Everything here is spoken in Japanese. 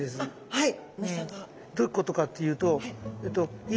はい。